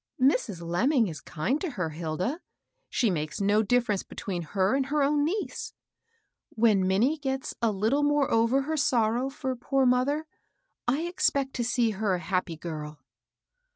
"Mrs. Lemming is kind to her, Hilda. She makes no difference between her and her own niece. When Minnie gets a little more over her sorrow for poor mother, I expect to see her a tappy girl."